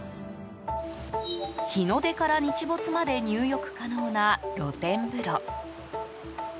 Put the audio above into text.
日の出から日没まで入浴可能な露天風呂。